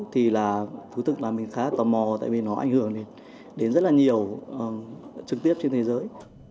thì là thứ thực là mình khá là tò mò tại vì nó ảnh hưởng đến rất là nhiều trực tiếp trên thế giới